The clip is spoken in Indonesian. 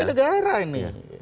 demi negara ini